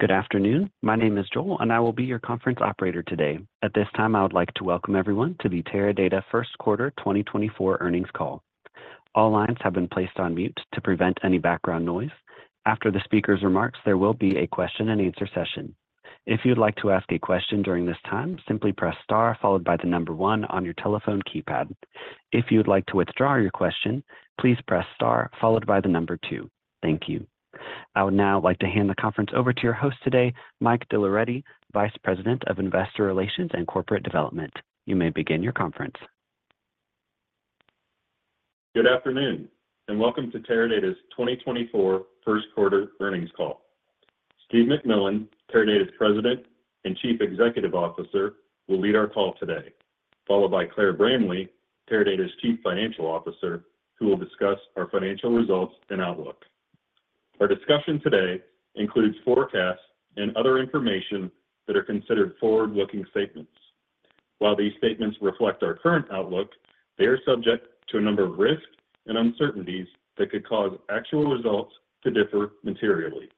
Good afternoon. My name is Joel, and I will be your conference operator today. At this time, I would like to welcome everyone to the Teradata First Quarter 2024 earnings call. All lines have been placed on mute to prevent any background noise. After the speaker's remarks, there will be a question-and-answer session. If you would like to ask a question during this time, simply press * followed by the number 1 on your telephone keypad. If you would like to withdraw your question, please press * followed by the number 2. Thank you. I would now like to hand the conference over to your host today, Mike DeLaureti, Vice President of Investor Relations and Corporate Development. You may begin your conference. Good afternoon and welcome to Teradata's 2024 First Quarter earnings call. Steve McMillan, Teradata's President and Chief Executive Officer, will lead our call today, followed by Claire Bramley, Teradata's Chief Financial Officer, who will discuss our financial results and outlook. Our discussion today includes forecasts and other information that are considered forward-looking statements. While these statements reflect our current outlook, they are subject to a number of risks and uncertainties that could cause actual results to differ materially.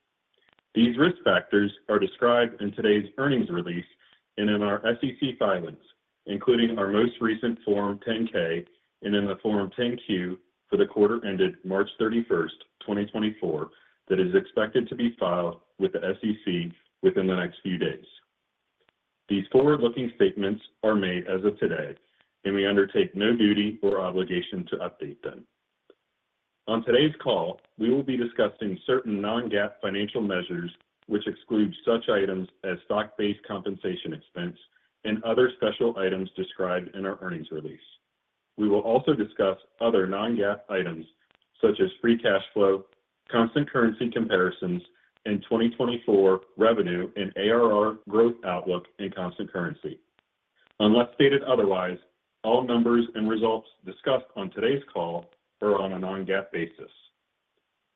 These risk factors are described in today's earnings release and in our SEC filings, including our most recent Form 10-K and in the Form 10-Q for the quarter ended March 31, 2024, that is expected to be filed with the SEC within the next few days. These forward-looking statements are made as of today, and we undertake no duty or obligation to update them. On today's call, we will be discussing certain non-GAAP financial measures which exclude such items as stock-based compensation expense and other special items described in our earnings release. We will also discuss other non-GAAP items such as free cash flow, constant currency comparisons, and 2024 revenue and ARR growth outlook in constant currency. Unless stated otherwise, all numbers and results discussed on today's call are on a non-GAAP basis.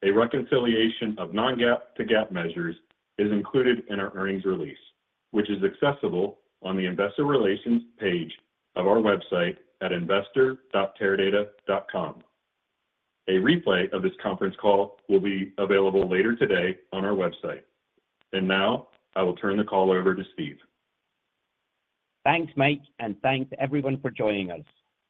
A reconciliation of non-GAAP to GAAP measures is included in our earnings release, which is accessible on the Investor Relations page of our website at investor.teradata.com. A replay of this conference call will be available later today on our website. And now I will turn the call over to Steve. Thanks, Mike, and thanks everyone for joining us.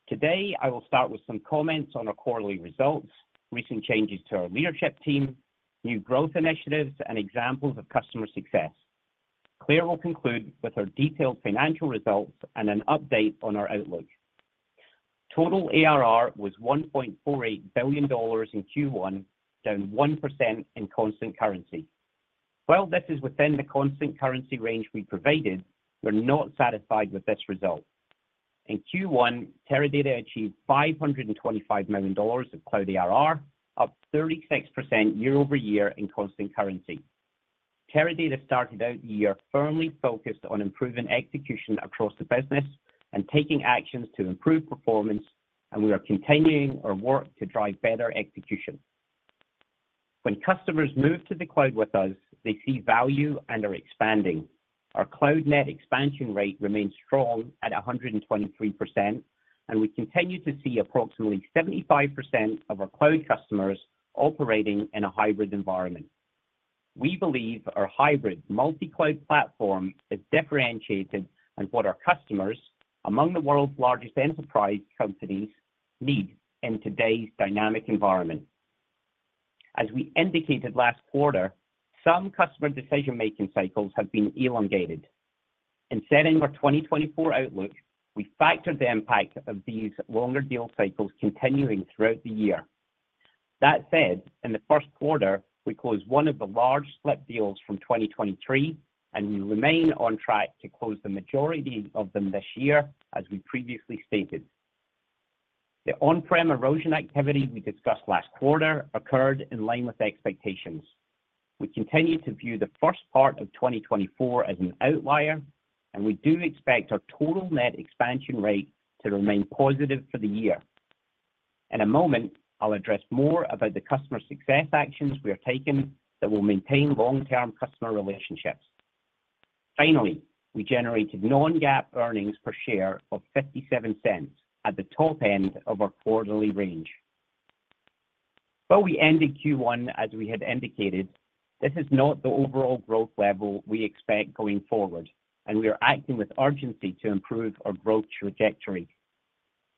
Today, I will start with some comments on our quarterly results, recent changes to our leadership team, new growth initiatives, and examples of customer success. Claire will conclude with our detailed financial results and an update on our outlook. Total ARR was $1.48 billion in Q1, down 1% in constant currency. While this is within the constant currency range we provided, we're not satisfied with this result. In Q1, Teradata achieved $525 million of cloud ARR, up 36% year-over-year in constant currency. Teradata started out the year firmly focused on improving execution across the business and taking actions to improve performance, and we are continuing our work to drive better execution. When customers move to the cloud with us, they see value and are expanding. Our cloud net expansion rate remains strong at 123%, and we continue to see approximately 75% of our cloud customers operating in a hybrid environment. We believe our hybrid multi-cloud platform is differentiated and what our customers, among the world's largest enterprise companies, need in today's dynamic environment. As we indicated last quarter, some customer decision-making cycles have been elongated. In setting our 2024 outlook, we factored the impact of these longer deal cycles continuing throughout the year. That said, in the first quarter, we closed one of the large slip deals from 2023, and we remain on track to close the majority of them this year, as we previously stated. The on-prem erosion activity we discussed last quarter occurred in line with expectations. We continue to view the first part of 2024 as an outlier, and we do expect our total net expansion rate to remain positive for the year. In a moment, I'll address more about the customer success actions we are taking that will maintain long-term customer relationships. Finally, we generated non-GAAP earnings per share of $0.57 at the top end of our quarterly range. While we ended Q1 as we had indicated, this is not the overall growth level we expect going forward, and we are acting with urgency to improve our growth trajectory.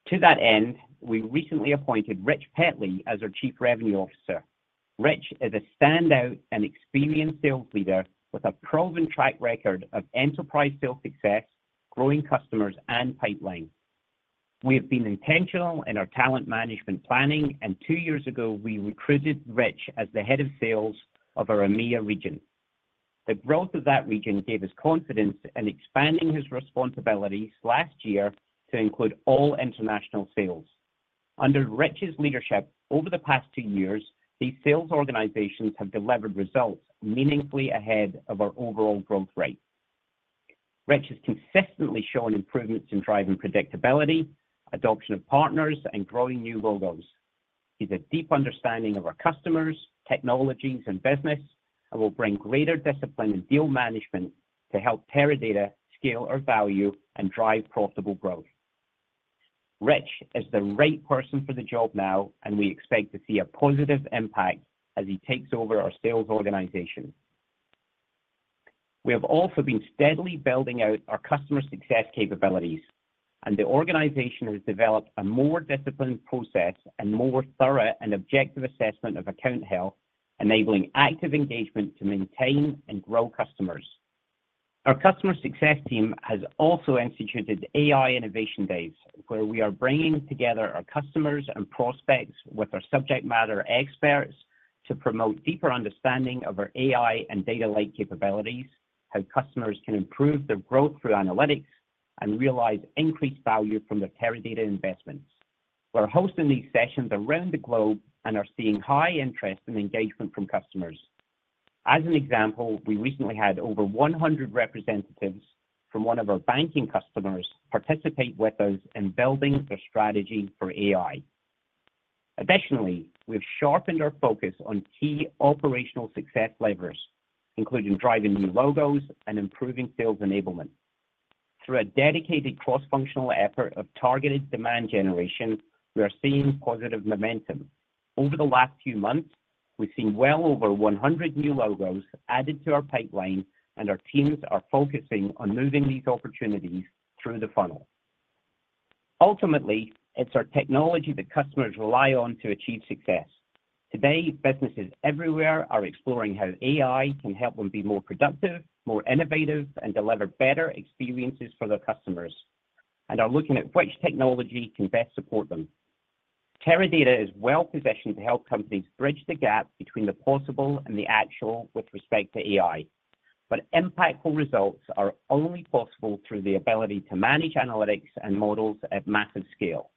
To that end, we recently appointed Rich Petley as our Chief Revenue Officer. Rich is a standout and experienced sales leader with a proven track record of enterprise sales success, growing customers, and pipeline. We have been intentional in our talent management planning, and two years ago, we recruited Rich as the head of sales of our EMEA region. The growth of that region gave us confidence in expanding his responsibilities last year to include all international sales. Under Rich's leadership over the past two years, these sales organizations have delivered results meaningfully ahead of our overall growth rate. Rich has consistently shown improvements in driving predictability, adoption of partners, and growing new logos. He has a deep understanding of our customers, technologies, and business, and will bring greater discipline and deal management to help Teradata scale our value and drive profitable growth. Rich is the right person for the job now, and we expect to see a positive impact as he takes over our sales organization. We have also been steadily building out our customer success capabilities, and the organization has developed a more disciplined process and more thorough and objective assessment of account health, enabling active engagement to maintain and grow customers. Our customer success team has also instituted AI Innovation Days, where we are bringing together our customers and prospects with our subject matter experts to promote deeper understanding of our AI and data-like capabilities, how customers can improve their growth through analytics, and realize increased value from their Teradata investments. We're hosting these sessions around the globe and are seeing high interest and engagement from customers. As an example, we recently had over 100 representatives from one of our banking customers participate with us in building their strategy for AI. Additionally, we've sharpened our focus on key operational success levers, including driving new logos and improving sales enablement. Through a dedicated cross-functional effort of targeted demand generation, we are seeing positive momentum. Over the last few months, we've seen well over 100 new logos added to our pipeline, and our teams are focusing on moving these opportunities through the funnel. Ultimately, it's our technology that customers rely on to achieve success. Today, businesses everywhere are exploring how AI can help them be more productive, more innovative, and deliver better experiences for their customers, and are looking at which technology can best support them. Teradata is well positioned to help companies bridge the gap between the possible and the actual with respect to AI. But impactful results are only possible through the ability to manage analytics and models at massive scale.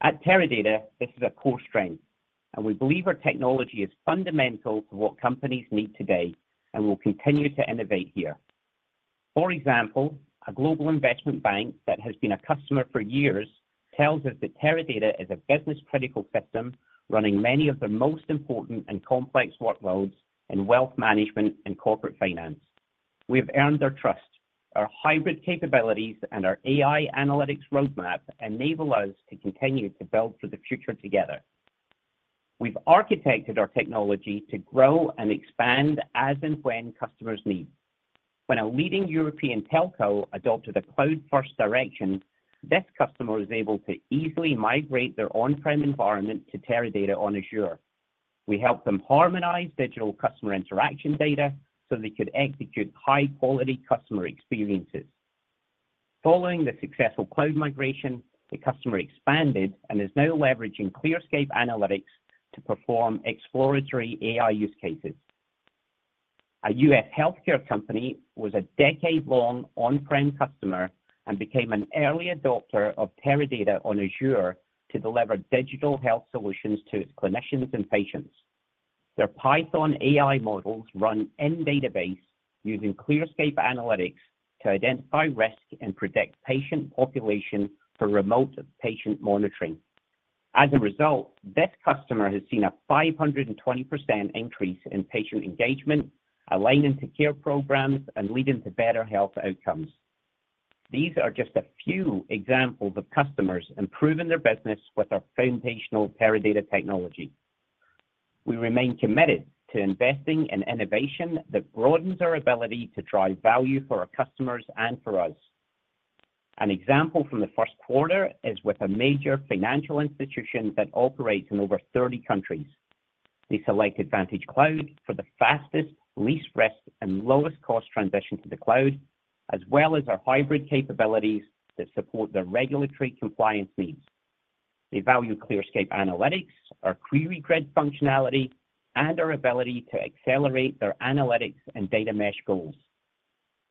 At Teradata, this is a core strength, and we believe our technology is fundamental to what companies need today and will continue to innovate here. For example, a global investment bank that has been a customer for years tells us that Teradata is a business-critical system running many of the most important and complex workloads in wealth management and corporate finance. We have earned their trust. Our hybrid capabilities and our AI analytics roadmap enable us to continue to build for the future together. We've architected our technology to grow and expand as and when customers need. When a leading European telco adopted a cloud-first direction, this customer was able to easily migrate their on-prem environment to Teradata on Azure. We helped them harmonize digital customer interaction data so they could execute high-quality customer experiences. Following the successful cloud migration, the customer expanded and is now leveraging ClearScape Analytics to perform exploratory AI use cases. A U.S. healthcare company was a decade-long on-prem customer and became an early adopter of Teradata on Azure to deliver digital health solutions to its clinicians and patients. Their Python AI models run in-database using ClearScape Analytics to identify risk and predict patient population for remote patient monitoring. As a result, this customer has seen a 520% increase in patient engagement, aligning to care programs and leading to better health outcomes. These are just a few examples of customers improving their business with our foundational Teradata technology. We remain committed to investing in innovation that broadens our ability to drive value for our customers and for us. An example from the first quarter is with a major financial institution that operates in over 30 countries. They selected VantageCloud for the fastest, least risk, and lowest cost transition to the cloud, as well as our hybrid capabilities that support their regulatory compliance needs. They value ClearScape Analytics, our QueryGrid functionality, and our ability to accelerate their analytics and Data Mesh goals.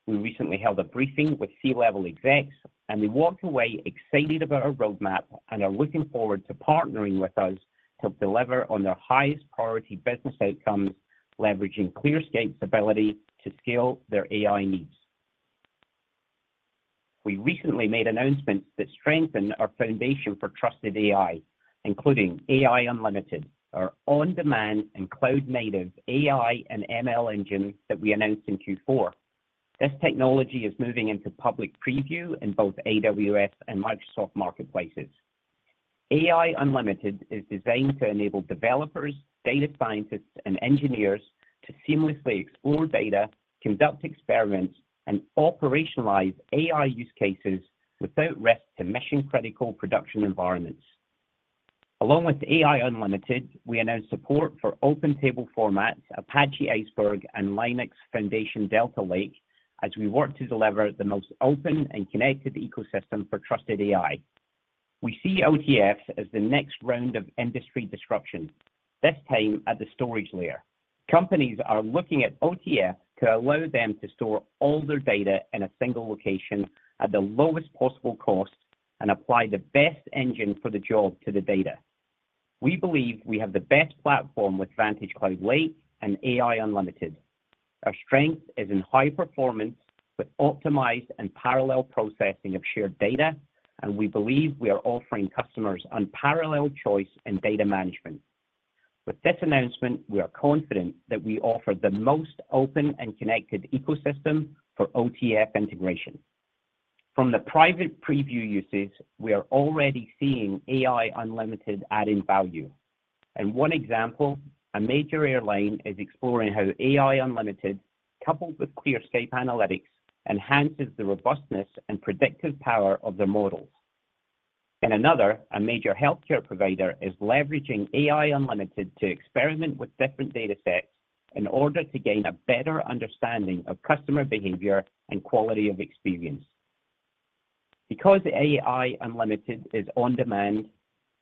We recently held a briefing with C-level execs, and they walked away excited about our roadmap and are looking forward to partnering with us to deliver on their highest priority business outcomes, leveraging ClearScape's ability to scale their AI needs. We recently made announcements that strengthen our foundation for trusted AI, including AI Unlimited, our on-demand and cloud-native AI and ML engine that we announced in Q4. This technology is moving into public preview in both AWS and Microsoft marketplaces. AI Unlimited is designed to enable developers, data scientists, and engineers to seamlessly explore data, conduct experiments, and operationalize AI use cases without risk to mission-critical production environments. Along with AI Unlimited, we announced support for open-table formats, Apache Iceberg, and Linux Foundation Delta Lake as we work to deliver the most open and connected ecosystem for trusted AI. We see OTFs as the next round of industry disruption, this time at the storage layer. Companies are looking at OTFs to allow them to store all their data in a single location at the lowest possible cost and apply the best engine for the job to the data. We believe we have the best platform with VantageCloud Lake and AI Unlimited. Our strength is in high performance with optimized and parallel processing of shared data, and we believe we are offering customers unparalleled choice in data management. With this announcement, we are confident that we offer the most open and connected ecosystem for OTF integration. From the private preview uses, we are already seeing AI Unlimited adding value. In one example, a major airline is exploring how AI Unlimited, coupled with ClearScape Analytics, enhances the robustness and predictive power of their models. In another, a major healthcare provider is leveraging AI Unlimited to experiment with different data sets in order to gain a better understanding of customer behavior and quality of experience. Because AI Unlimited is on demand,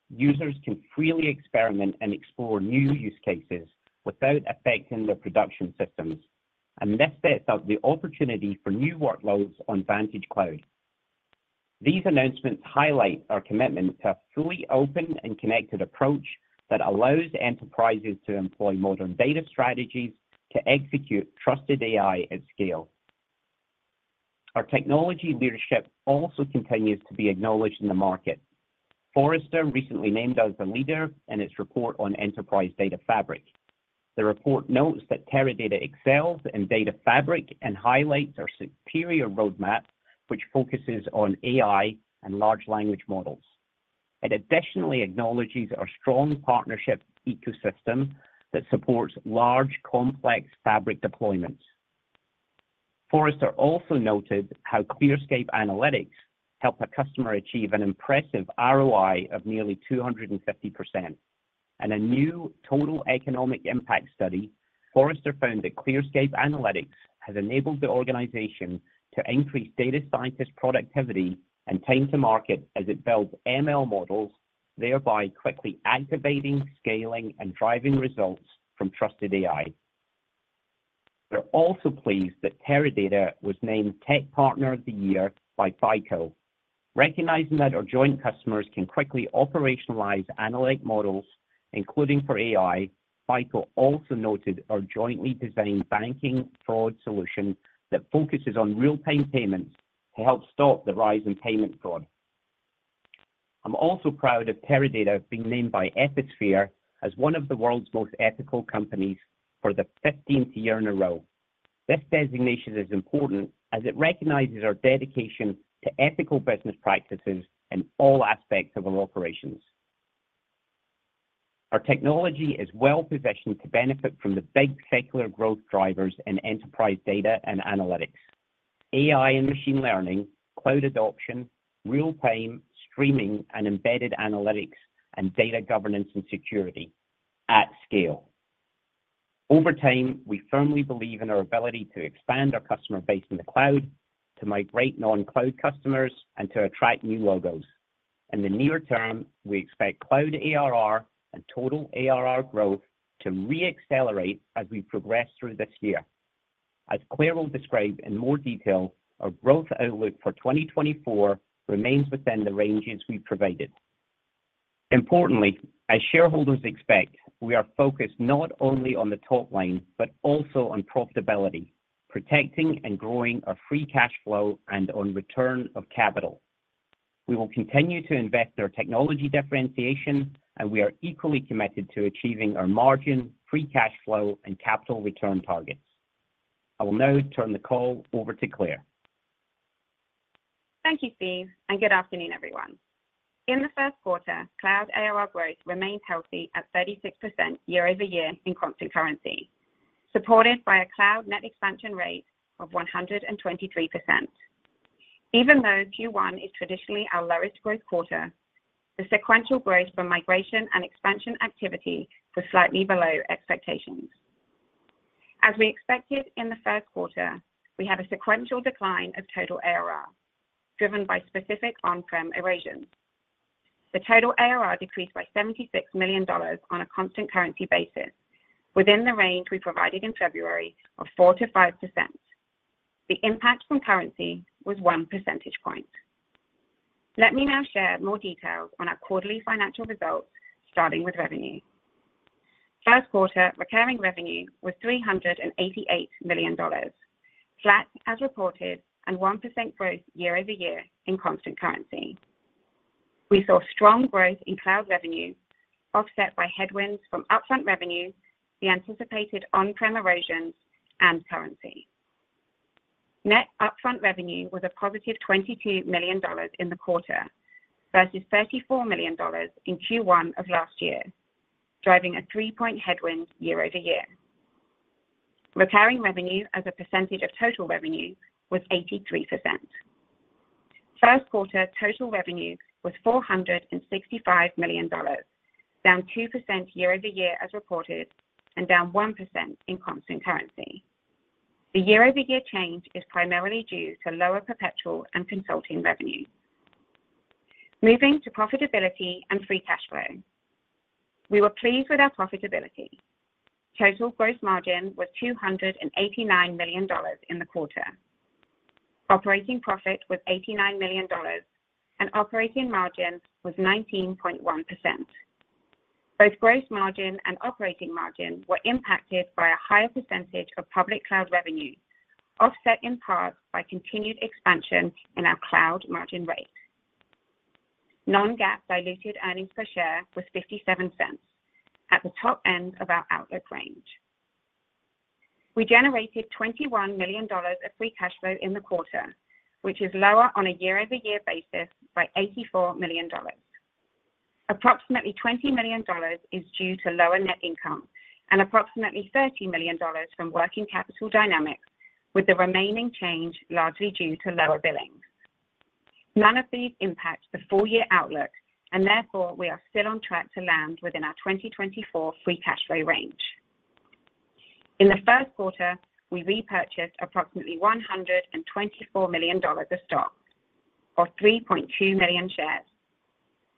users can freely experiment and explore new use cases without affecting their production systems, and this sets up the opportunity for new workloads on VantageCloud. These announcements highlight our commitment to a fully open and connected approach that allows enterprises to employ modern data strategies to execute trusted AI at scale. Our technology leadership also continues to be acknowledged in the market. Forrester recently named us a leader in its report on Enterprise Data Fabric. The report notes that Teradata excels in Data Fabric and highlights our superior roadmap, which focuses on AI and large language models. It additionally acknowledges our strong partnership ecosystem that supports large, complex fabric deployments. Forrester also noted how ClearScape Analytics helped a customer achieve an impressive ROI of nearly 250%. In a new Total Economic Impact study, Forrester found that ClearScape Analytics has enabled the organization to increase data scientists' productivity and time to market as it builds ML models, thereby quickly activating, scaling, and driving results from trusted AI. We're also pleased that Teradata was named Tech Partner of the Year by FICO. Recognizing that our joint customers can quickly operationalize analytic models, including for AI, FICO also noted our jointly designed banking fraud solution that focuses on real-time payments to help stop the rise in payment fraud. I'm also proud of Teradata being named by Ethisphere as one of the world's most ethical companies for the 15th year in a row. This designation is important as it recognizes our dedication to ethical business practices in all aspects of our operations. Our technology is well positioned to benefit from the big secular growth drivers in enterprise data and analytics: AI and machine learning, cloud adoption, real-time streaming, and embedded analytics and data governance and security at scale. Over time, we firmly believe in our ability to expand our customer base in the cloud, to migrate non-cloud customers, and to attract new logos. In the near term, we expect cloud ARR and total ARR growth to re-accelerate as we progress through this year. As Claire will describe in more detail, our growth outlook for 2024 remains within the ranges we've provided. Importantly, as shareholders expect, we are focused not only on the top line but also on profitability, protecting and growing our free cash flow, and on return of capital. We will continue to invest in our technology differentiation, and we are equally committed to achieving our margin, free cash flow, and capital return targets. I will now turn the call over to Claire. Thank you, Steve, and good afternoon, everyone. In the first quarter, cloud ARR growth remained healthy at 36% year-over-year in constant currency, supported by a cloud net expansion rate of 123%. Even though Q1 is traditionally our lowest growth quarter, the sequential growth from migration and expansion activity was slightly below expectations. As we expected in the first quarter, we had a sequential decline of total ARR, driven by specific on-prem erosions. The total ARR decreased by $76 million on a constant currency basis, within the range we provided in February of 4%-5%. The impact from currency was one percentage point. Let me now share more details on our quarterly financial results, starting with revenue. First quarter, recurring revenue was $388 million, flat as reported and 1% growth year-over-year in constant currency. We saw strong growth in cloud revenue, offset by headwinds from upfront revenue, the anticipated on-prem erosions, and currency. Net upfront revenue was a positive $22 million in the quarter versus $34 million in Q1 of last year, driving a three-point headwind year-over-year. Recurring revenue, as a percentage of total revenue, was 83%. First quarter total revenue was $465 million, down 2% year-over-year as reported and down 1% in constant currency. The year-over-year change is primarily due to lower perpetual and consulting revenue. Moving to profitability and free cash flow, we were pleased with our profitability. Total gross margin was $289 million in the quarter. Operating profit was $89 million, and operating margin was 19.1%. Both gross margin and operating margin were impacted by a higher percentage of public cloud revenue, offset in part by continued expansion in our cloud margin rate. Non-GAAP diluted earnings per share was $0.57, at the top end of our outlook range. We generated $21 million of free cash flow in the quarter, which is lower on a year-over-year basis by $84 million. Approximately $20 million is due to lower net income and approximately $30 million from working capital dynamics, with the remaining change largely due to lower billings. None of these impact the full-year outlook, and therefore we are still on track to land within our 2024 free cash flow range. In the first quarter, we repurchased approximately $124 million of stock or 3.2 million shares.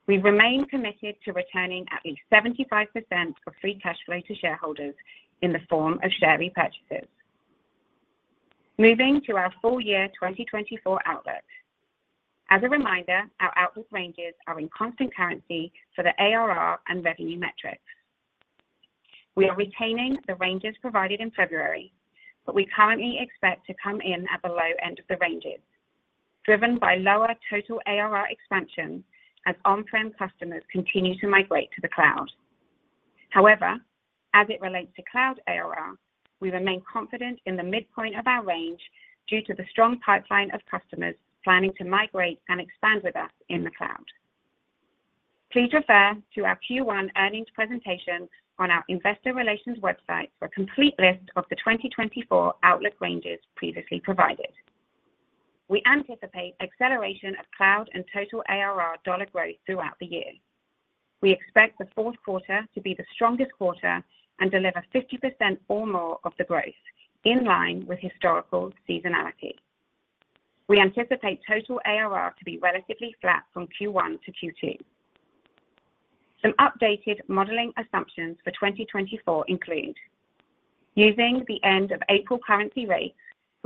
We remain committed to returning at least 75% of free cash flow to shareholders in the form of share repurchases. Moving to our full-year 2024 outlook. As a reminder, our outlook ranges are in constant currency for the ARR and revenue metrics. We are retaining the ranges provided in February, but we currently expect to come in at the low end of the ranges, driven by lower total ARR expansion as on-prem customers continue to migrate to the cloud. However, as it relates to cloud ARR, we remain confident in the midpoint of our range due to the strong pipeline of customers planning to migrate and expand with us in the cloud. Please refer to our Q1 earnings presentation on our investor relations website for a complete list of the 2024 outlook ranges previously provided. We anticipate acceleration of cloud and total ARR dollar growth throughout the year. We expect the fourth quarter to be the strongest quarter and deliver 50% or more of the growth in line with historical seasonality. We anticipate total ARR to be relatively flat from Q1 to Q2. Some updated modeling assumptions for 2024 include: using the end-of-April currency rates,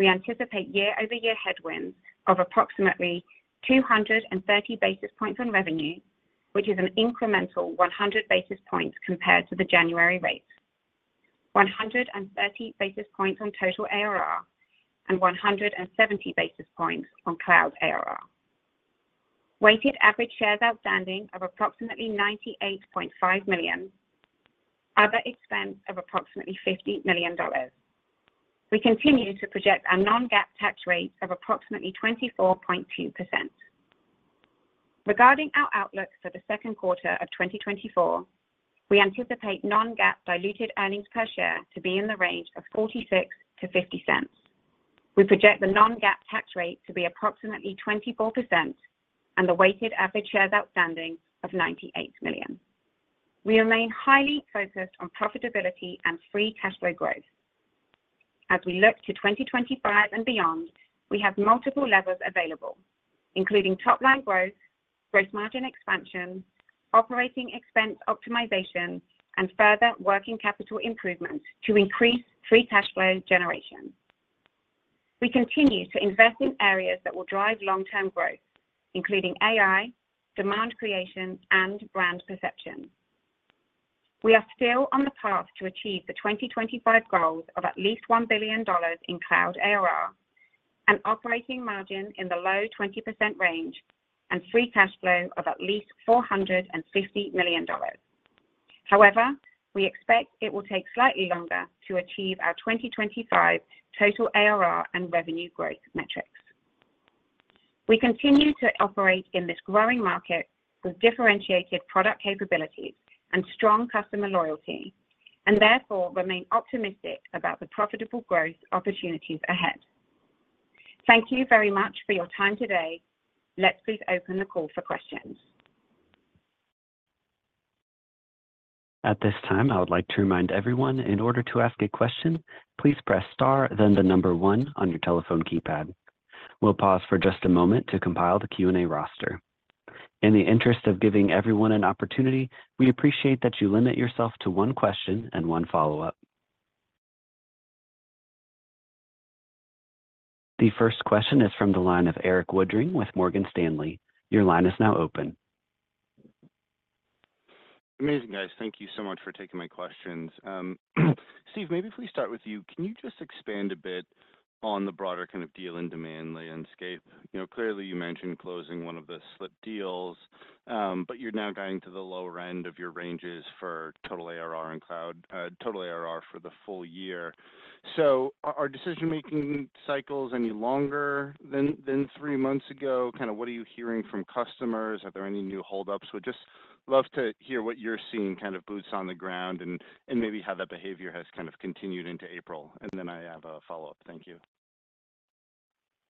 we anticipate year-over-year headwinds of approximately 230 basis points on revenue, which is an incremental 100 basis points compared to the January rate. 130 basis points on total ARR. And 170 basis points on cloud ARR. Weighted average shares outstanding of approximately 98.5 million. Other expense of approximately $50 million. We continue to project our non-GAAP tax rate of approximately 24.2%. Regarding our outlook for the second quarter of 2024, we anticipate non-GAAP diluted earnings per share to be in the range of $0.46-$0.50. We project the non-GAAP tax rate to be approximately 24% and the weighted average shares outstanding of 98 million. We remain highly focused on profitability and free cash flow growth. As we look to 2025 and beyond, we have multiple levels available, including top-line growth, gross margin expansion, operating expense optimization, and further working capital improvements to increase free cash flow generation. We continue to invest in areas that will drive long-term growth, including AI, demand creation, and brand perception. We are still on the path to achieve the 2025 goals of at least $1 billion in cloud ARR, an operating margin in the low 20% range, and free cash flow of at least $450 million. However, we expect it will take slightly longer to achieve our 2025 total ARR and revenue growth metrics. We continue to operate in this growing market with differentiated product capabilities and strong customer loyalty, and therefore remain optimistic about the profitable growth opportunities ahead. Thank you very much for your time today. Let's please open the call for questions. At this time, I would like to remind everyone, in order to ask a question, please press star, then the number one on your telephone keypad. We'll pause for just a moment to compile the Q&A roster. In the interest of giving everyone an opportunity, we appreciate that you limit yourself to one question and one follow-up. The first question is from the line of Erik Woodring with Morgan Stanley. Your line is now open. Amazing, guys. Thank you so much for taking my questions. Steve, maybe if we start with you, can you just expand a bit on the broader kind of deal and demand landscape? Clearly, you mentioned closing one of the slip deals, but you're now going to the lower end of your ranges for total ARR and cloud total ARR for the full year. So are decision-making cycles any longer than three months ago? Kind of what are you hearing from customers? Are there any new holdups? We'd just love to hear what you're seeing, kind of boots on the ground, and maybe how that behavior has kind of continued into April. And then I have a follow-up. Thank you.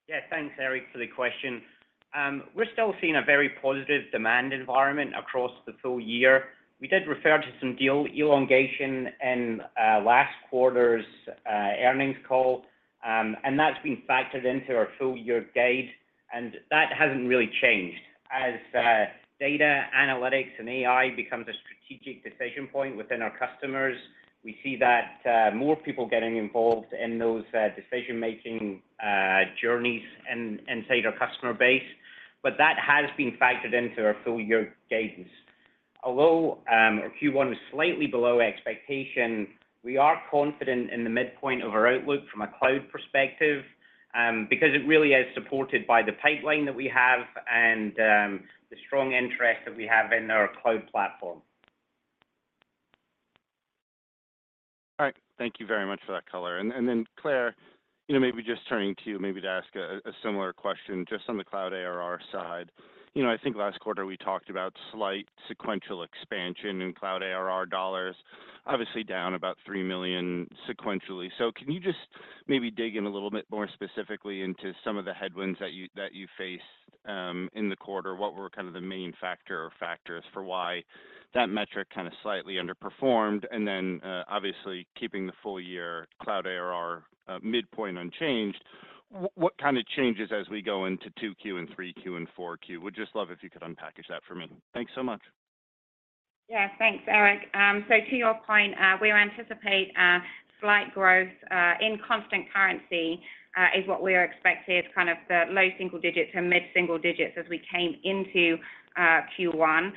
Yeah, thanks, Erik, for the question. We're still seeing a very positive demand environment across the full year. We did refer to some deal elongation in last quarter's earnings call, and that's been factored into our full-year guide. That hasn't really changed. As data, analytics, and AI become a strategic decision point within our customers, we see that more people getting involved in those decision-making journeys inside our customer base. That has been factored into our full-year guidance. Although Q1 was slightly below expectation, we are confident in the midpoint of our outlook from a cloud perspective because it really is supported by the pipeline that we have and the strong interest that we have in our cloud platform. All right. Thank you very much for that color. And then, Claire, maybe just turning to you, maybe to ask a similar question just on the cloud ARR side. I think last quarter we talked about slight sequential expansion in cloud ARR dollars, obviously down about $3 million sequentially. So can you just maybe dig in a little bit more specifically into some of the headwinds that you faced in the quarter, what were kind of the main factor or factors for why that metric kind of slightly underperformed? And then, obviously, keeping the full-year cloud ARR midpoint unchanged, what kind of changes as we go into 2Q and 3Q and 4Q? Would just love if you could unpack that for me. Thanks so much. Yeah, thanks, Erik. So to your point, we anticipate slight growth in constant currency is what we are expected, kind of the low single digits and mid-single digits as we came into Q1.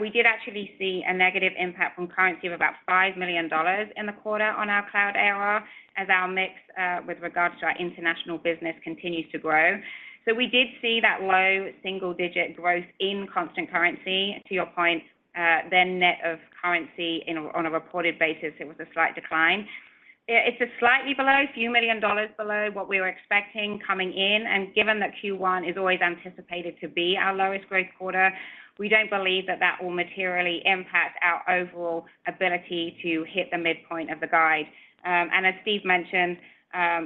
We did actually see a negative impact from currency of about $5 million in the quarter on our cloud ARR as our mix with regards to our international business continues to grow. So we did see that low single-digit growth in constant currency, to your point, then net of currency on a reported basis, it was a slight decline. It's slightly below, a few million dollars below what we were expecting coming in. And given that Q1 is always anticipated to be our lowest growth quarter, we don't believe that that will materially impact our overall ability to hit the midpoint of the guide. And as Steve mentioned,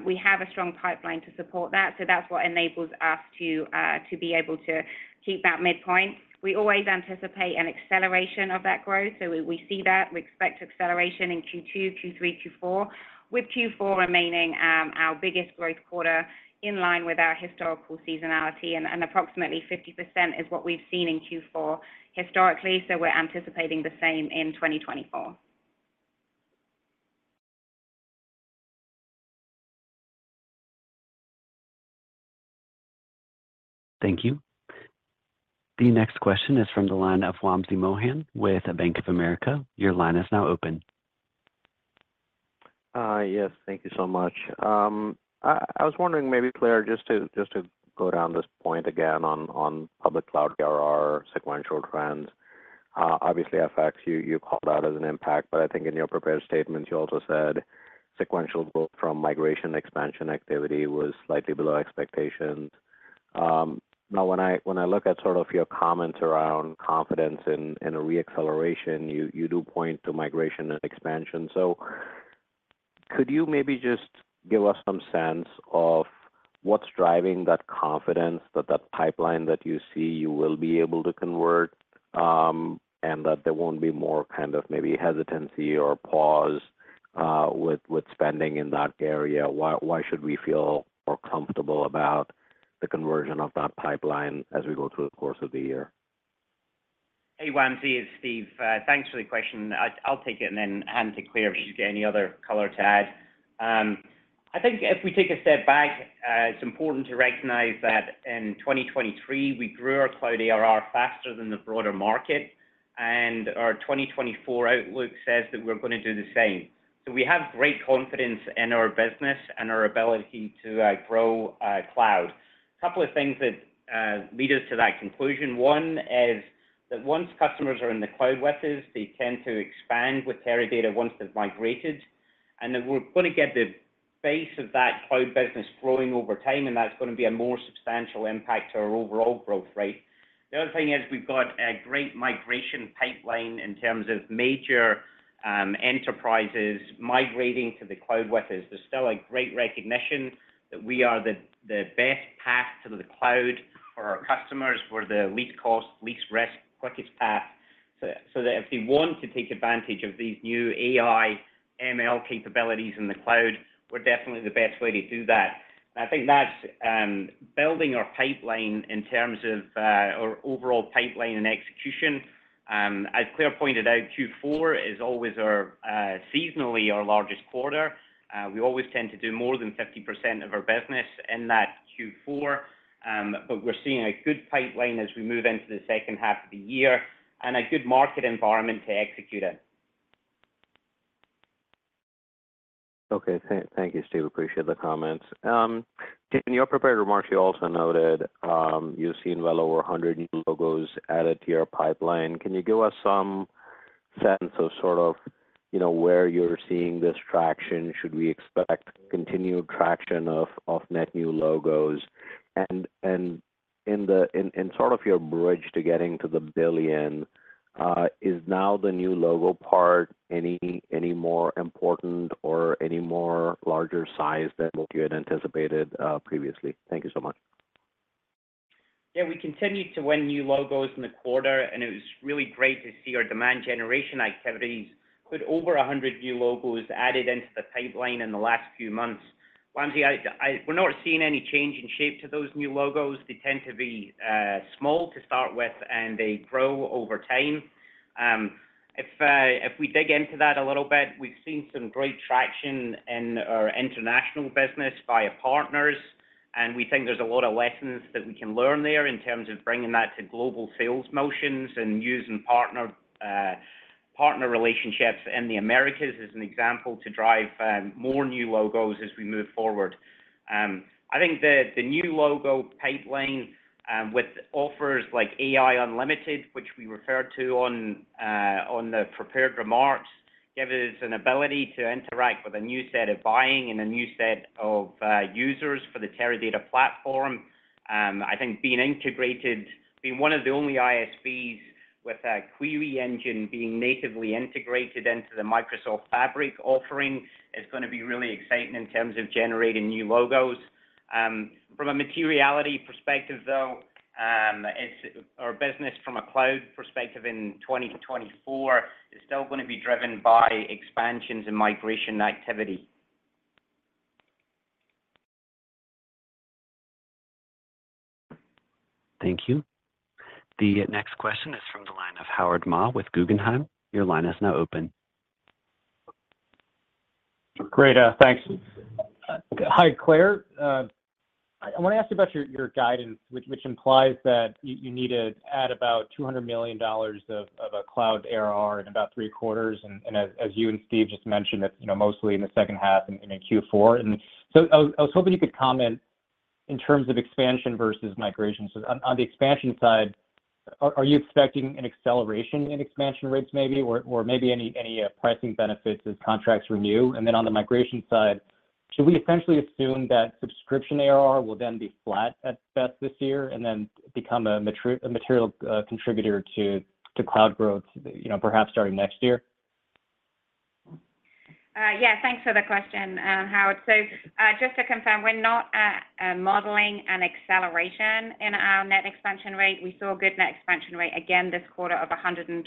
we have a strong pipeline to support that. So that's what enables us to be able to keep that midpoint. We always anticipate an acceleration of that growth. So we see that. We expect acceleration in Q2, Q3, Q4, with Q4 remaining our biggest growth quarter in line with our historical seasonality. And approximately 50% is what we've seen in Q4 historically. So we're anticipating the same in 2024. Thank you. The next question is from the line of Wamsi Mohan with Bank of America. Your line is now open. Yes. Thank you so much. I was wondering, maybe, Claire, just to go down this point again on public cloud ARR sequential trends. Obviously, FX, you called out as an impact, but I think in your prepared statements, you also said sequential growth from migration expansion activity was slightly below expectations. Now, when I look at sort of your comments around confidence in a reacceleration, you do point to migration and expansion. So could you maybe just give us some sense of what's driving that confidence, that pipeline that you see you will be able to convert, and that there won't be more kind of maybe hesitancy or pause with spending in that area? Why should we feel more comfortable about the conversion of that pipeline as we go through the course of the year? Hey, Wamsi, it's Steve. Thanks for the question. I'll take it and then hand to Claire if she's got any other color to add. I think if we take a step back, it's important to recognize that in 2023, we grew our cloud ARR faster than the broader market, and our 2024 outlook says that we're going to do the same. So we have great confidence in our business and our ability to grow cloud. A couple of things that lead us to that conclusion. One is that once customers are in the cloud with us, they tend to expand with Teradata once they've migrated. And we're going to get the base of that cloud business growing over time, and that's going to be a more substantial impact to our overall growth rate. The other thing is we've got a great migration pipeline in terms of major enterprises migrating to the cloud with us. There's still a great recognition that we are the best path to the cloud for our customers. We're the least cost, least risk, quickest path. So if they want to take advantage of these new AI/ML capabilities in the cloud, we're definitely the best way to do that. And I think that's building our pipeline in terms of our overall pipeline and execution. As Claire pointed out, Q4 is always seasonally our largest quarter. We always tend to do more than 50% of our business in that Q4, but we're seeing a good pipeline as we move into the second half of the year and a good market environment to execute it. Okay. Thank you, Steve. Appreciate the comments. In your prepared remarks, you also noted you've seen well over 100 new logos added to your pipeline. Can you give us some sense of sort of where you're seeing this traction? Should we expect continued traction of net new logos? And in sort of your bridge to getting to the billion, is now the new logo part any more important or any more larger size than what you had anticipated previously? Thank you so much. Yeah, we continued to win new logos in the quarter, and it was really great to see our demand generation activities put over 100 new logos added into the pipeline in the last few months. Wamsi, we're not seeing any change in shape to those new logos. They tend to be small to start with, and they grow over time. If we dig into that a little bit, we've seen some great traction in our international business via partners, and we think there's a lot of lessons that we can learn there in terms of bringing that to global sales motions and using partner relationships in the Americas as an example to drive more new logos as we move forward. I think the new logo pipeline with offers like AI Unlimited, which we referred to on the prepared remarks, gives us an ability to interact with a new set of buying and a new set of users for the Teradata platform. I think being integrated, being one of the only ISVs with a query engine being natively integrated into the Microsoft Fabric offering is going to be really exciting in terms of generating new logos. From a materiality perspective, though, our business from a cloud perspective in 2024 is still going to be driven by expansions and migration activity. Thank you. The next question is from the line of Howard Ma with Guggenheim. Your line is now open. Great. Thanks. Hi, Claire. I want to ask you about your guidance, which implies that you need to add about $200 million of cloud ARR in about three quarters. As you and Steve just mentioned, it's mostly in the second half and in Q4. I was hoping you could comment in terms of expansion versus migration. On the expansion side, are you expecting an acceleration in expansion rates, maybe, or maybe any pricing benefits as contracts renew? On the migration side, should we essentially assume that subscription ARR will then be flat at best this year and then become a material contributor to cloud growth, perhaps starting next year? Yeah, thanks for the question, Howard. So just to confirm, we're not modeling an acceleration in our net expansion rate. We saw a good net expansion rate again this quarter of 123%.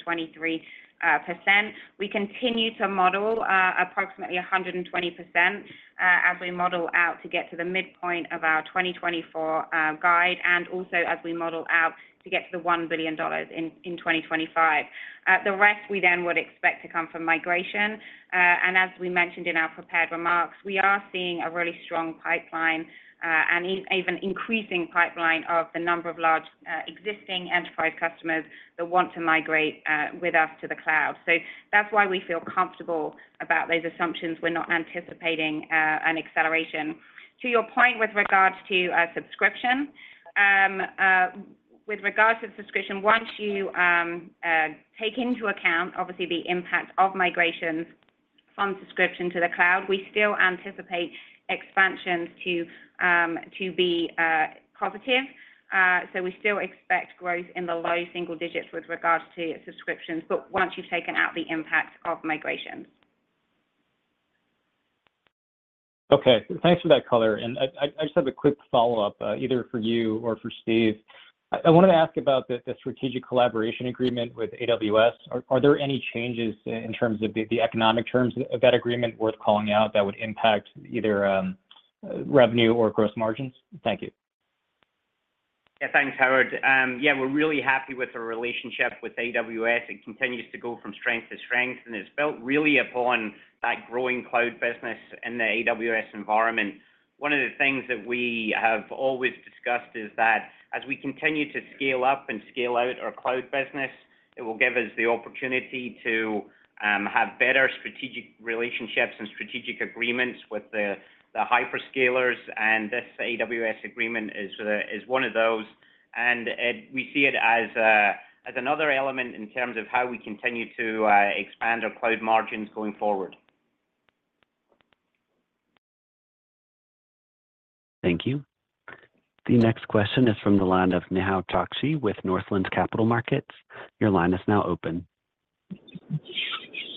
We continue to model approximately 120% as we model out to get to the midpoint of our 2024 guide and also as we model out to get to the $1 billion in 2025. The rest, we then would expect to come from migration. And as we mentioned in our prepared remarks, we are seeing a really strong pipeline and even increasing pipeline of the number of large existing enterprise customers that want to migrate with us to the cloud. So that's why we feel comfortable about those assumptions. We're not anticipating an acceleration. To your point with regards to subscription, with regards to the subscription, once you take into account, obviously, the impact of migrations from subscription to the cloud, we still anticipate expansions to be positive. So we still expect growth in the low single digits with regards to subscriptions, but once you've taken out the impact of migrations. Okay. Thanks for that color. I just have a quick follow-up, either for you or for Steve. I wanted to ask about the strategic collaboration agreement with AWS. Are there any changes in terms of the economic terms of that agreement worth calling out that would impact either revenue or gross margins? Thank you. Yeah, thanks, Howard. Yeah, we're really happy with our relationship with AWS. It continues to go from strength to strength, and it's built really upon that growing cloud business in the AWS environment. One of the things that we have always discussed is that as we continue to scale up and scale out our cloud business, it will give us the opportunity to have better strategic relationships and strategic agreements with the hyperscalers. And this AWS agreement is one of those. And we see it as another element in terms of how we continue to expand our cloud margins going forward. Thank you. The next question is from the line of Nehal Chokshi with Northland Capital Markets. Your line is now open.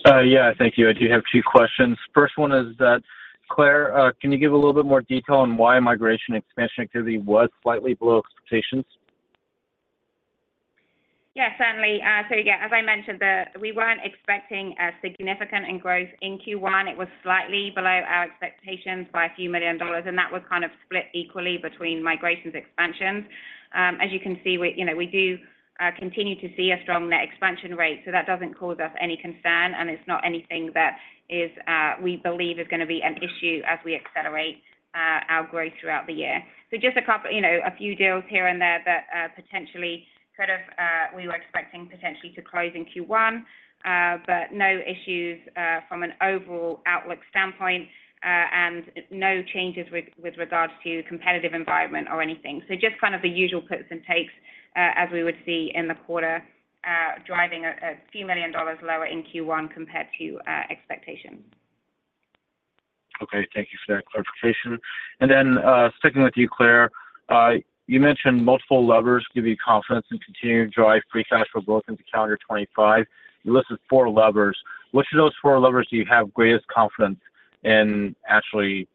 Yeah, thank you. I do have two questions. First one is that, Claire, can you give a little bit more detail on why migration expansion activity was slightly below expectations? Yeah, certainly. So yeah, as I mentioned, we weren't expecting significant income growth in Q1. It was slightly below our expectations by a few million dollars, and that was kind of split equally between migrations and expansions. As you can see, we do continue to see a strong net expansion rate. So that doesn't cause us any concern, and it's not anything that we believe is going to be an issue as we accelerate our growth throughout the year. So just a few deals here and there that we were expecting potentially to close in Q1, but no issues from an overall outlook standpoint and no changes with regards to competitive environment or anything. So just kind of the usual puts and takes as we would see in the quarter driving a few million dollars lower in Q1 compared to expectations. Okay. Thank you for that clarification. Then sticking with you, Claire, you mentioned multiple levers give you confidence and continue to drive free cash flow growth into calendar 2025. You listed four levers. Which of those four levers do you have greatest confidence in actually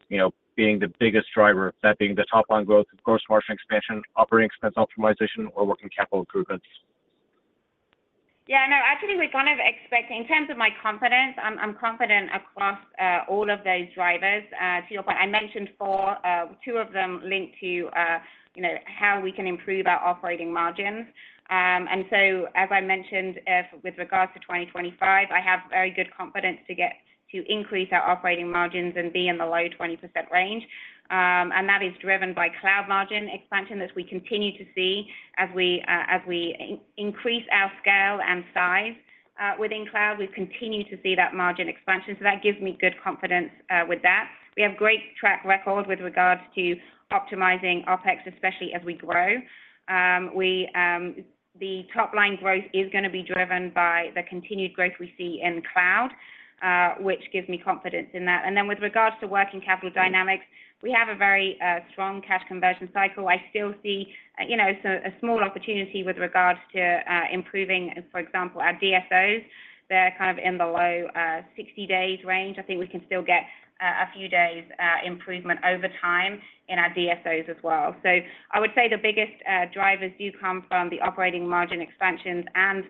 being the biggest driver, that being the top-line growth, gross margin expansion, operating expense optimization, or working capital improvements? Yeah, no, actually, we're kind of expecting in terms of my confidence, I'm confident across all of those drivers. To your point, I mentioned four, two of them linked to how we can improve our operating margins. As I mentioned, with regards to 2025, I have very good confidence to increase our operating margins and be in the low 20% range. That is driven by cloud margin expansion that we continue to see as we increase our scale and size within cloud. We continue to see that margin expansion. So that gives me good confidence with that. We have a great track record with regards to optimizing OpEx, especially as we grow. The top-line growth is going to be driven by the continued growth we see in cloud, which gives me confidence in that. Then with regards to working capital dynamics, we have a very strong cash conversion cycle. I still see a small opportunity with regards to improving, for example, our DSOs. They're kind of in the low 60-days range. I think we can still get a few days improvement over time in our DSOs as well. I would say the biggest drivers do come from the operating margin expansions and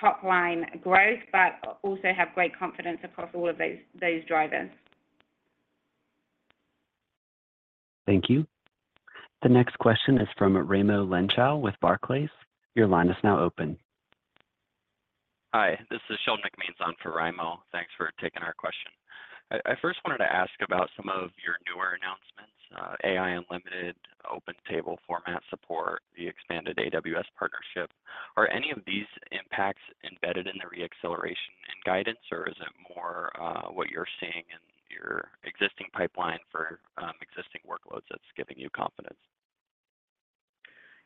top-line growth, but also have great confidence across all of those drivers. Thank you. The next question is from Raimo Lenschow with Barclays. Your line is now open. Hi, this is Sean McMahon for Raimo. Thanks for taking our question. I first wanted to ask about some of your newer announcements, AI Unlimited, open table format support, the expanded AWS partnership. Are any of these impacts embedded in the reacceleration and guidance, or is it more what you're seeing in your existing pipeline for existing workloads that's giving you confidence?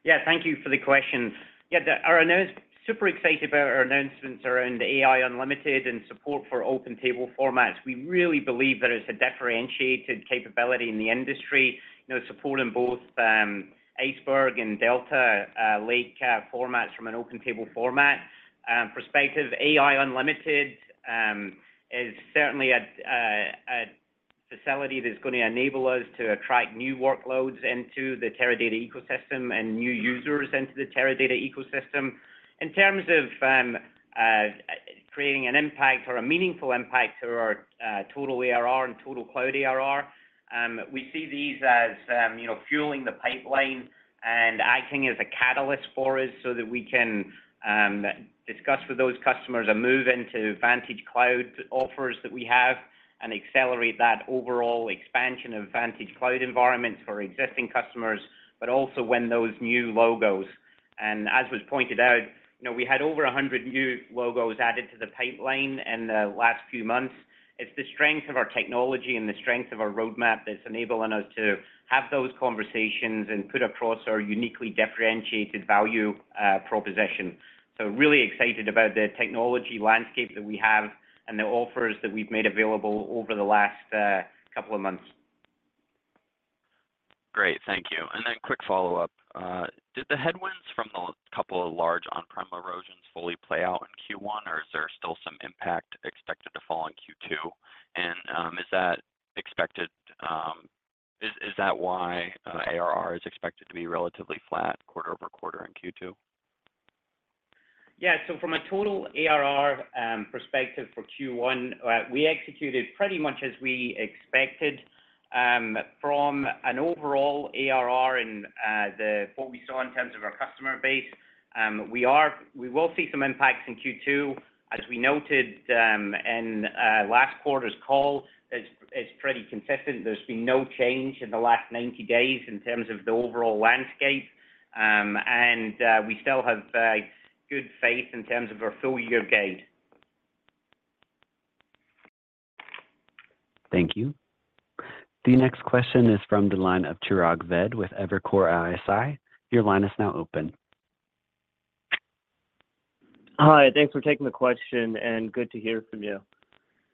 Yeah, thank you for the question. Yeah, I know it's super excited about our announcements around AI Unlimited and support for open table formats. We really believe that it's a differentiated capability in the industry, supporting both Iceberg and Delta Lake formats from an open table format perspective. AI Unlimited is certainly a facility that's going to enable us to attract new workloads into the Teradata ecosystem and new users into the Teradata ecosystem. In terms of creating an impact or a meaningful impact to our total ARR and total cloud ARR, we see these as fueling the pipeline and acting as a catalyst for us so that we can discuss with those customers a move into VantageCloud offers that we have and accelerate that overall expansion of VantageCloud environments for existing customers, but also when those new logos and as was pointed out, we had over 100 new logos added to the pipeline in the last few months. It's the strength of our technology and the strength of our roadmap that's enabling us to have those conversations and put across our uniquely differentiated value proposition. So really excited about the technology landscape that we have and the offers that we've made available over the last couple of months. Great. Thank you. Quick follow-up. Did the headwinds from the couple of large on-prem erosions fully play out in Q1, or is there still some impact expected to fall in Q2? And is that expected? Is that why ARR is expected to be relatively flat quarter-over-quarter in Q2? Yeah, so from a total ARR perspective for Q1, we executed pretty much as we expected. From an overall ARR and what we saw in terms of our customer base, we will see some impacts in Q2. As we noted in last quarter's call, it's pretty consistent. There's been no change in the last 90 days in terms of the overall landscape, and we still have good faith in terms of our full-year guide. Thank you. The next question is from the line of Chirag Ved with Evercore ISI. Your line is now open. Hi, thanks for taking the question, and good to hear from you.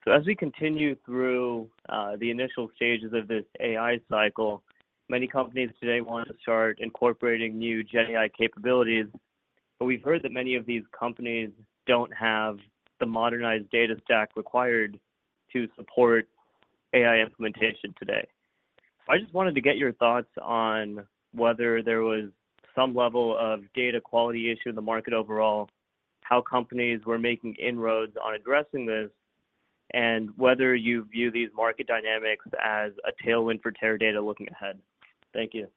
So as we continue through the initial stages of this AI cycle, many companies today want to start incorporating new GenAI capabilities, but we've heard that many of these companies don't have the modernized data stack required to support AI implementation today. I just wanted to get your thoughts on whether there was some level of data quality issue in the market overall, how companies were making inroads on addressing this, and whether you view these market dynamics as a tailwind for Teradata looking ahead. Thank you.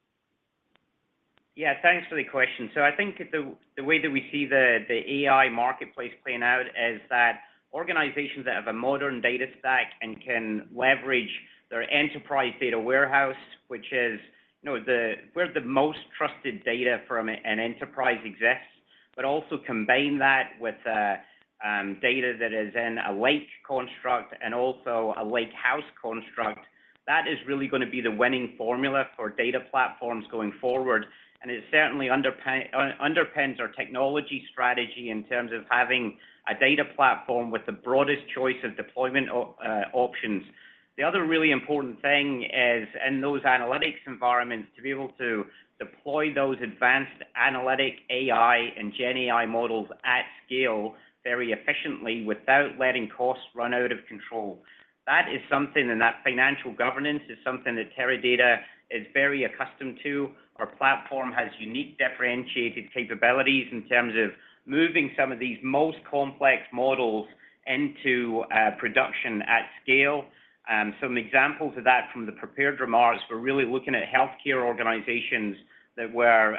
Yeah, thanks for the question. I think the way that we see the AI marketplace playing out is that organizations that have a modern data stack and can leverage their enterprise data warehouse, which is where the most trusted data from an enterprise exists, but also combine that with data that is in a lake construct and also a lakehouse construct, that is really going to be the winning formula for data platforms going forward. It certainly underpins our technology strategy in terms of having a data platform with the broadest choice of deployment options. The other really important thing is in those analytics environments to be able to deploy those advanced analytic AI and GenAI models at scale very efficiently without letting costs run out of control. That is something, and that financial governance is something that Teradata is very accustomed to. Our platform has unique differentiated capabilities in terms of moving some of these most complex models into production at scale. Some examples of that from the prepared remarks, we're really looking at healthcare organizations that were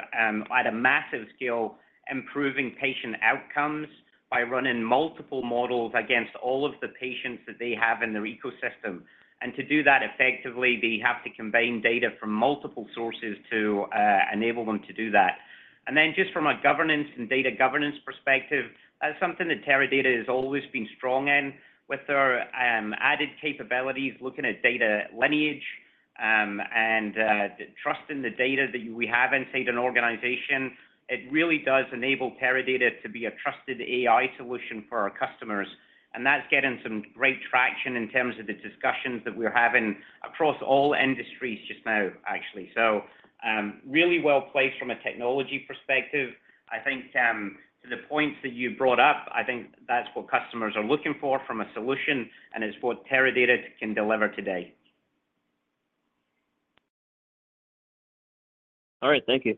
at a massive scale improving patient outcomes by running multiple models against all of the patients that they have in their ecosystem. To do that effectively, they have to combine data from multiple sources to enable them to do that. Then just from a governance and data governance perspective, that's something that Teradata has always been strong in with their added capabilities, looking at data lineage and trusting the data that we have inside an organization. It really does enable Teradata to be a trusted AI solution for our customers, and that's getting some great traction in terms of the discussions that we're having across all industries just now, actually. So really well placed from a technology perspective. I think to the points that you brought up, I think that's what customers are looking for from a solution, and it's what Teradata can deliver today. All right. Thank you.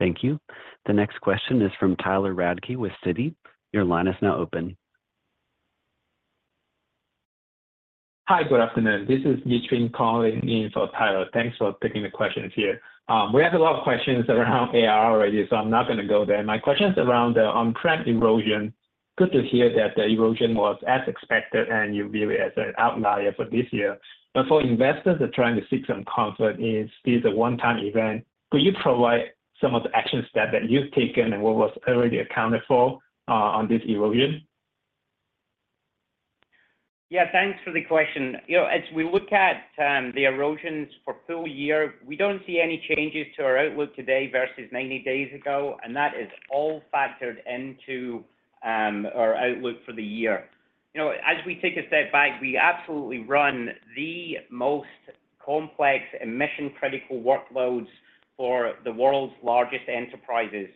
Thank you. The next question is from Tyler Radke with Citi. Your line is now open. Hi, good afternoon. This is Neutrine calling in for Tyler. Thanks for taking the questions here. We have a lot of questions around AR already, so I'm not going to go there. My question is around the on-prem erosion. Good to hear that the erosion was as expected, and you view it as an outlier for this year. But for investors that are trying to seek some comfort, is this a one-time event? Could you provide some of the action steps that you've taken, and what was already accounted for on this erosion? Yeah, thanks for the question. As we look at the erosions for full year, we don't see any changes to our outlook today versus 90 days ago, and that is all factored into our outlook for the year. As we take a step back, we absolutely run the most complex mission-critical workloads for the world's largest enterprises.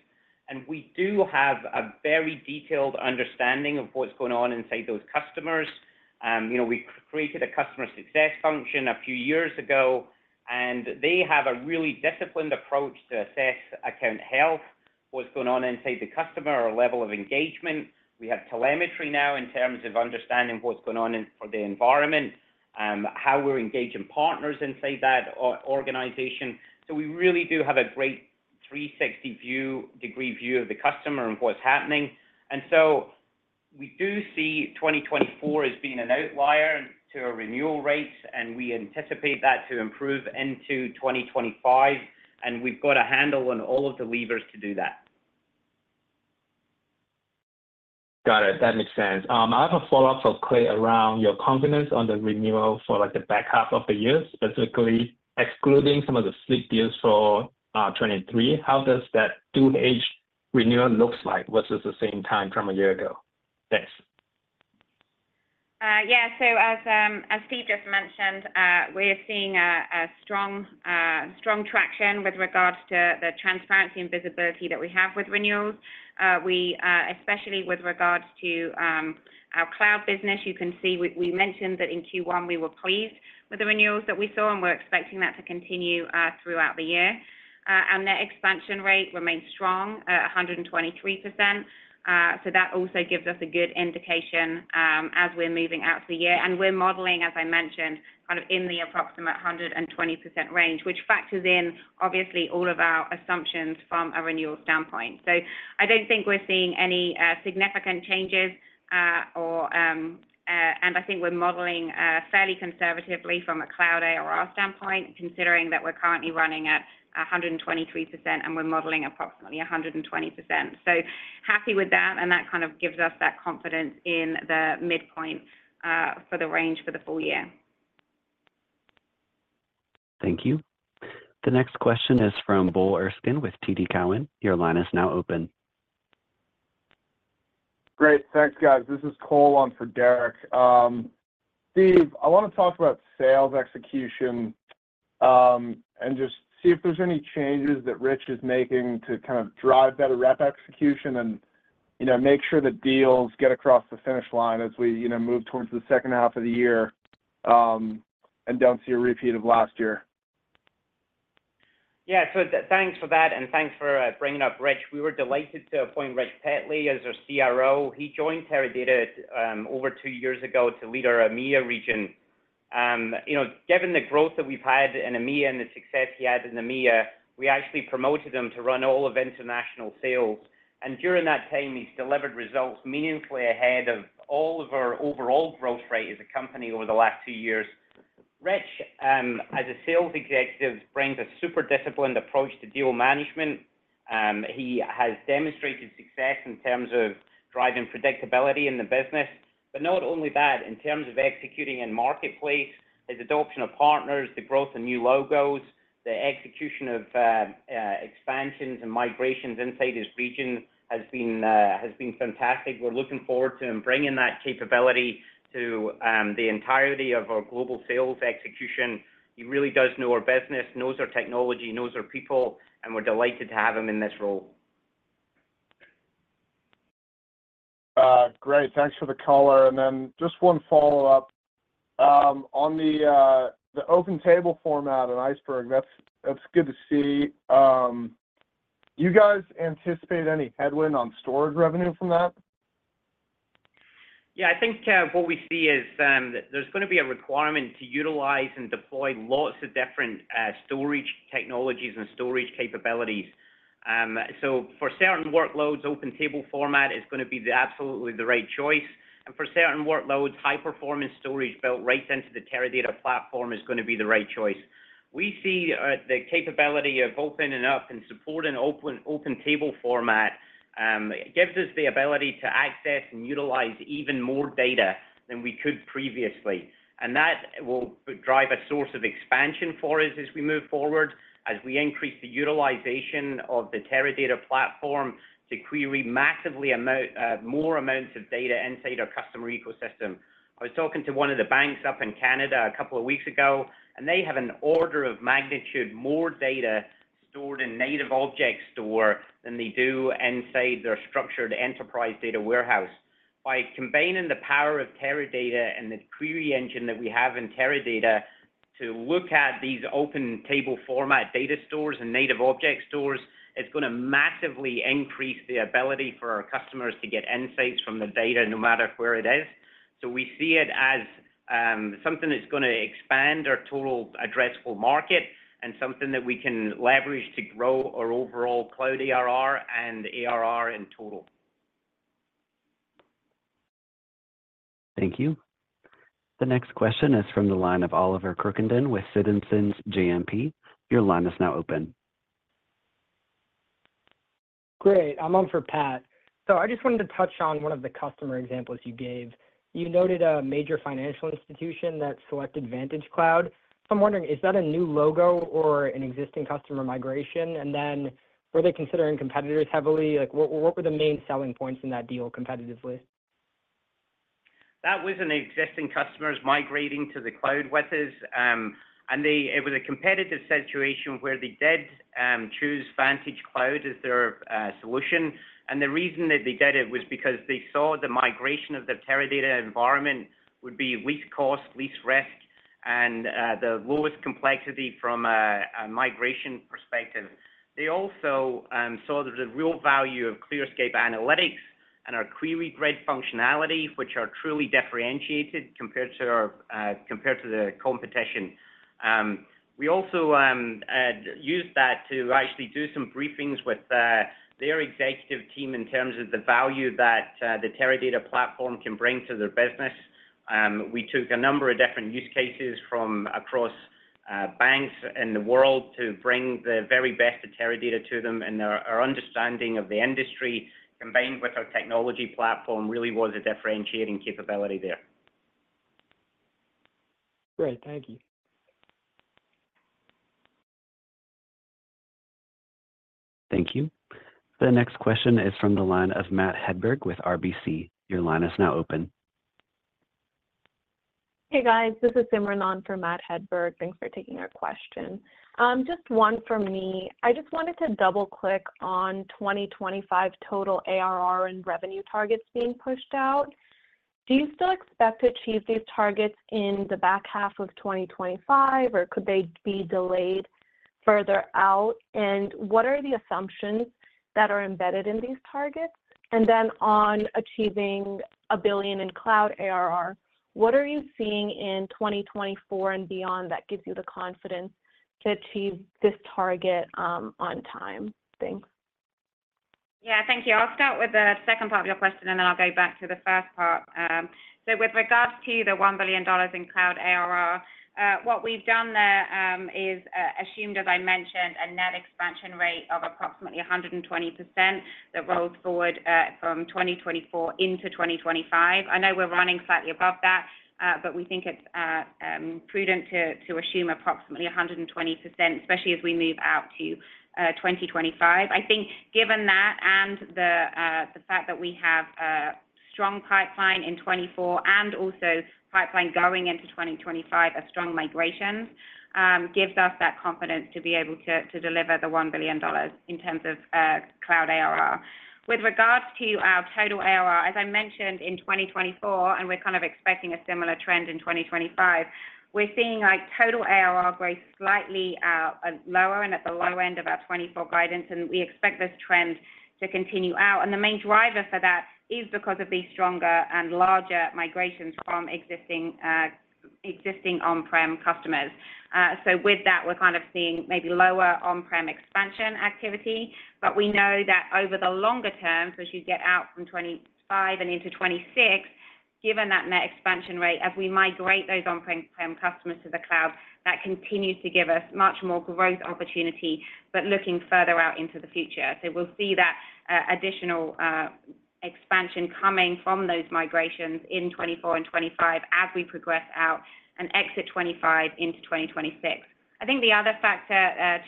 We do have a very detailed understanding of what's going on inside those customers. We created a customer success function a few years ago, and they have a really disciplined approach to assess account health, what's going on inside the customer, our level of engagement. We have telemetry now in terms of understanding what's going on for the environment, how we're engaging partners inside that organization. So we really do have a great 360-degree view of the customer and what's happening. And so we do see 2024 as being an outlier to our renewal rates, and we anticipate that to improve into 2025, and we've got a handle on all of the levers to do that. Got it. That makes sense. I have a follow-up for Claire around your confidence on the renewal for the back half of the year, specifically excluding some of the slipped deals for 2023. How does that 2H renewal look like versus the same time from a year ago? Thanks. Yeah, so as Steve just mentioned, we're seeing a strong traction with regards to the transparency and visibility that we have with renewals, especially with regards to our cloud business. You can see we mentioned that in Q1, we were pleased with the renewals that we saw, and we're expecting that to continue throughout the year. Our net expansion rate remains strong at 123%, so that also gives us a good indication as we're moving out to the year. And we're modeling, as I mentioned, kind of in the approximate 120% range, which factors in, obviously, all of our assumptions from a renewal standpoint. So I don't think we're seeing any significant changes, and I think we're modeling fairly conservatively from a cloud ARR standpoint, considering that we're currently running at 123%, and we're modeling approximately 120%. So happy with that, and that kind of gives us that confidence in the midpoint for the range for the full year. Thank you. The next question is from Bull Erskin with TD Cowen. Your line is now open. Great. Thanks, guys. This is Cole on for Derrick. Steve, I want to talk about sales execution and just see if there's any changes that Rich is making to kind of drive better rep execution and make sure that deals get across the finish line as we move towards the second half of the year and don't see a repeat of last year. Yeah, so thanks for that, and thanks for bringing up Rich. We were delighted to appoint Rich Petley as our CRO. He joined Teradata over two years ago to lead our EMEA region. Given the growth that we've had in EMEA and the success he had in EMEA, we actually promoted him to run all of international sales. And during that time, he's delivered results meaningfully ahead of all of our overall growth rate as a company over the last two years. Rich, as a sales executive, brings a super disciplined approach to deal management. He has demonstrated success in terms of driving predictability in the business. But not only that, in terms of executing in marketplace, his adoption of partners, the growth of new logos, the execution of expansions and migrations inside his region has been fantastic. We're looking forward to him bringing that capability to the entirety of our global sales execution. He really does know our business, knows our technology, knows our people, and we're delighted to have him in this role. Great. Thanks for the caller. Then just one follow-up. On the Open Table Format and Iceberg, that's good to see. You guys anticipate any headwind on storage revenue from that? Yeah, I think what we see is that there's going to be a requirement to utilize and deploy lots of different storage technologies and storage capabilities. So for certain workloads, Open Table Format is going to be absolutely the right choice. And for certain workloads, high-performance storage built right into the Teradata platform is going to be the right choice. We see the capability of opening up and supporting Open Table Format gives us the ability to access and utilize even more data than we could previously. And that will drive a source of expansion for us as we move forward, as we increase the utilization of the Teradata platform to query massively more amounts of data inside our customer ecosystem. I was talking to one of the banks up in Canada a couple of weeks ago, and they have an order of magnitude more data stored in Native Object Store than they do inside their structured enterprise data warehouse. By combining the power of Teradata and the query engine that we have in Teradata to look at these Open Table Format data stores and Native Object Stores, it's going to massively increase the ability for our customers to get insights from the data no matter where it is. We see it as something that's going to expand our total addressable market and something that we can leverage to grow our overall cloud ARR and ARR in total. Thank you. The next question is from the line of Oliver Kherada with Citizens JMP. Your line is now open. Great. I'm on for Pat. So I just wanted to touch on one of the customer examples you gave. You noted a major financial institution that selected VantageCloud. So I'm wondering, is that a new logo or an existing customer migration? And then were they considering competitors heavily? What were the main selling points in that deal competitively? That was an existing customer migrating to the cloud with us. It was a competitive situation where they did choose VantageCloud as their solution. The reason that they did it was because they saw the migration of their Teradata environment would be least cost, least risk, and the lowest complexity from a migration perspective. They also saw the real value of ClearScape Analytics and our QueryGrid functionality, which are truly differentiated compared to the competition. We also used that to actually do some briefings with their executive team in terms of the value that the Teradata platform can bring to their business. We took a number of different use cases from across banks in the world to bring the very best of Teradata to them, and our understanding of the industry combined with our technology platform really was a differentiating capability there. Great. Thank you. Thank you. The next question is from the line of Matt Hedberg with RBC. Your line is now open. Hey, guys. This is Simran from Matt Hedberg. Thanks for taking our question. Just one from me. I just wanted to double-click on 2025 total ARR and revenue targets being pushed out. Do you still expect to achieve these targets in the back half of 2025, or could they be delayed further out? And what are the assumptions that are embedded in these targets? And then on achieving $1 billion in cloud ARR, what are you seeing in 2024 and beyond that gives you the confidence to achieve this target on time? Thanks. Yeah, thank you. I'll start with the second part of your question, and then I'll go back to the first part. So with regards to the $1 billion in cloud ARR, what we've done there is assumed, as I mentioned, a net expansion rate of approximately 120% that rolls forward from 2024 into 2025. I know we're running slightly above that, but we think it's prudent to assume approximately 120%, especially as we move out to 2025. I think given that and the fact that we have a strong pipeline in 2024 and also pipeline going into 2025, a strong migration gives us that confidence to be able to deliver the $1 billion in terms of cloud ARR. With regards to our total ARR, as I mentioned, in 2024, and we're kind of expecting a similar trend in 2025, we're seeing total ARR grow slightly lower and at the low end of our 2024 guidance, and we expect this trend to continue out. And the main driver for that is because of these stronger and larger migrations from existing on-prem customers. So with that, we're kind of seeing maybe lower on-prem expansion activity. But we know that over the longer term, so as you get out from 2025 and into 2026, given that net expansion rate, as we migrate those on-prem customers to the cloud, that continues to give us much more growth opportunity but looking further out into the future. So we'll see that additional expansion coming from those migrations in 2024 and 2025 as we progress out and exit 2025 into 2026. I think the other factor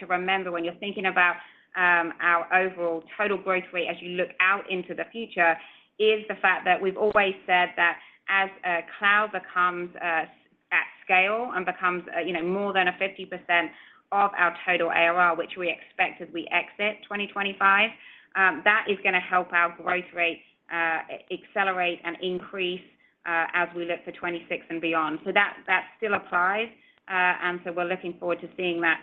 to remember when you're thinking about our overall total growth rate as you look out into the future is the fact that we've always said that as cloud becomes at scale and becomes more than 50% of our total ARR, which we expect as we exit 2025, that is going to help our growth rate accelerate and increase as we look for 2026 and beyond. So that still applies. And so we're looking forward to seeing that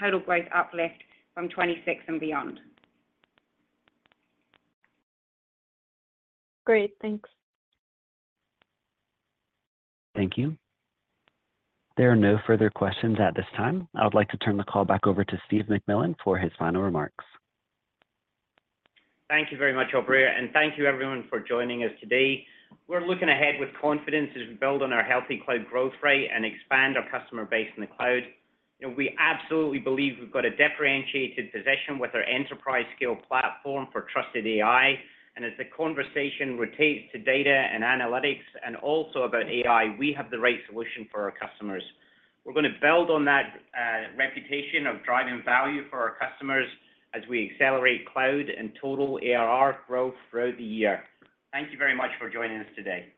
total growth uplift from 2026 and beyond. Great. Thanks. Thank you. There are no further questions at this time. I would like to turn the call back over to Steve McMillan for his final remarks. Thank you very much, Aubrey, and thank you, everyone, for joining us today. We're looking ahead with confidence as we build on our healthy cloud growth rate and expand our customer base in the cloud. We absolutely believe we've got a differentiated position with our enterprise-scale platform for trusted AI. As the conversation rotates to data and analytics and also about AI, we have the right solution for our customers. We're going to build on that reputation of driving value for our customers as we accelerate cloud and total ARR growth throughout the year. Thank you very much for joining us today.